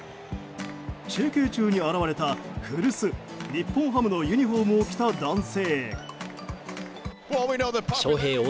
中継中に現れた、古巣日本ハムのユニホームを着た男性。